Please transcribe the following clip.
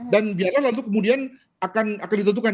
dan biarlah nanti kemudian akan ditentukan